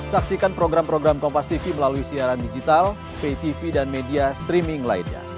saksikan program program kompastv melalui siaran digital btv dan media streaming lainnya